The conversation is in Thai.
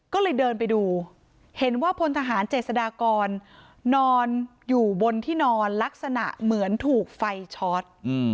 ก็เลยเดินไปดูเห็นว่าพลทหารเจษฎากรนอนอยู่บนที่นอนลักษณะเหมือนถูกไฟช็อต